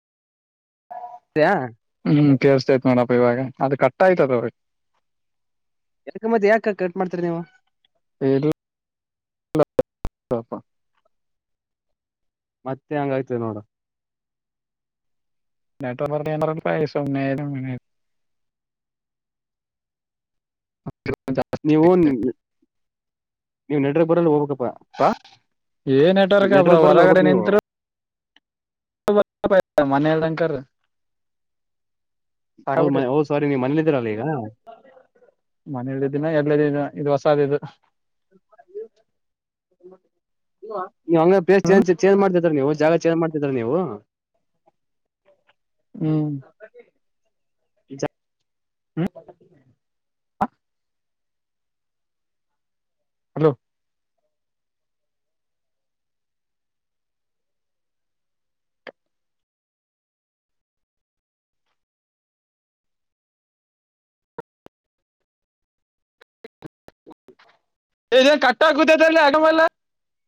ದ್ಯಾ ಹ್ಮ್ ಕೇಳ್ಸ್ತತ್ ನೋಡಪ್ಪ ಇವಾಗ ಅದು ಕಟ್ಟ ಆಯ್ತದು. ಯಾಕ ಮತ್ತೆ ಯಾಕ ಕಟ್ ಮಾಡ್ತರಿ ನೀವು. ಹೇ ಇಲ್ ಪ ಮತ್ತೆ ಹೆಂಗ ಆಯ್ತದೆ ನೋಡು. [unintelligible] ನೀವುನ್ ನೀವು ನೆಡ್ರ್ ಬರಲ್ ಹೋಬೇಕಪ್ ಹ ಏ ನೆಟ್ವರ್ಕ್ಪ ನೆಟ್ವರ್ಕ್ ಬರಲ್ಲ ಹೊರಗಡೆ ಹೋಗ್ಬೇಕಕ್ ನೀವು ನಿಂತ್ರು [unintelligible] ಮನೆಳ್ ದಂಕರ್ ಹೌದು ಬಟ್ಟ ಹೌದು ಸಾರಿ ನೀವು ಮನೇಲಿದ್ದೀರಲ್ಲ ಈಗ ಮನಿಲದ್ದಿನ ಎ್ದ ದಿನ ಇದು ಹೊಸಾದ ಇದು. ಅಹ್ [inaudible] ನೀ ಹಂಗ ಪ್ಲೇಸ್ ಚೇಂಜ್ ಚೇಂಜ್ ಮಾಡ್ತಿದ್ರ ನೀವು ಜಾಗ ಚೇಂಜ್ ಮಾಡ್ತಿದ್ರ ನೀವು, ಹ್ಮ್ ಹ್ಮ ಹಲೋ ನ್ ಕಟ್ಟಾಗುದ ಅದಲ್ಲಿ ಆಡವಲ್ಲ.